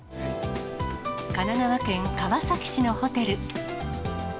神奈川県川崎市のホテル。